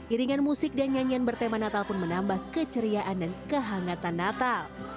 iringan musik dan nyanyian bertema natal pun menambah keceriaan dan kehangatan natal